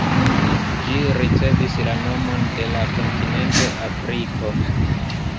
Ĝi ricevis la nomon de la kontinento Afriko.